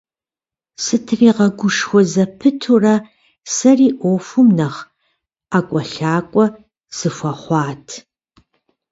Сытригъэгушхуэ зэпытурэ, сэри Ӏуэхум нэхъ ӀэкӀуэлъакӀуэ сыхуэхъуат.